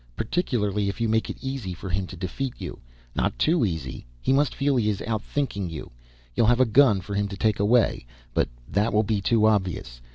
Particularly if you make it easy for him to defeat you. Not too easy he must feel he is outthinking you. You'll have a gun for him to take away, but that will be too obvious.